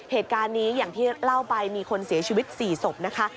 เหตุการณ์นี้อย่างที่เล่าไปมีคนเสียชีวิต๔ศพนะคะ